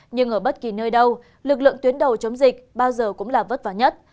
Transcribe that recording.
nhưng ở bất kỳ nơi đâu lực lượng tuyến đầu chống dịch bao giờ cũng là vất vả nhất